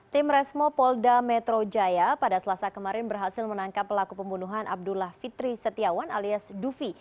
tim resmo polda metro jaya pada selasa kemarin berhasil menangkap pelaku pembunuhan abdullah fitri setiawan alias dufi